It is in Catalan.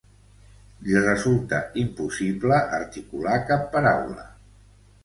Li resulta impossible articular cap paraula.